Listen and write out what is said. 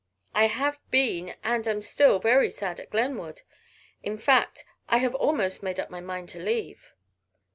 "I have been and am still very sad at Glenwood. In fact, I have almost made up my mind to leave."